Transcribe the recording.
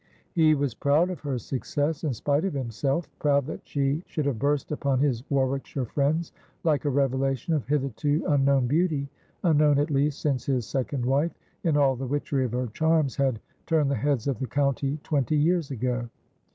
He was proud of her success, in spite of himself ; proud that she should have burst upon his Warwickshire friends like a revelation of hitherto unknown beauty — unknown, at least, since his second wife, in all the witchery of her charms, had turned the heads of the county twenty years ago.